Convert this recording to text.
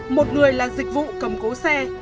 một người là dịch vụ cầm cố xe